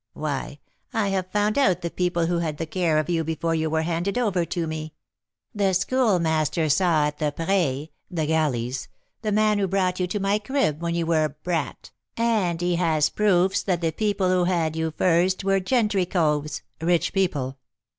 Why, I have found out the people who had the care of you before you were handed over to me. The Schoolmaster saw at the Pré (the galleys) the man who brought you to my 'crib' when you were a brat, and he has proofs that the people who had you first were 'gentry coves'" (rich people).